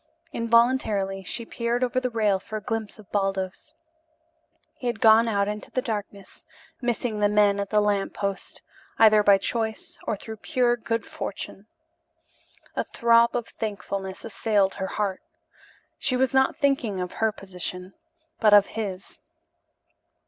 Involuntarily she peered over the rail for a glimpse of Baldos. He had gone out into the darkness, missing the men at the lamp post either by choice or through pure good fortune. A throb of thankfulness assailed her heart. She was not thinking of her position, but of his.